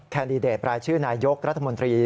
แดดิเดตรายชื่อนายกรัฐมนตรี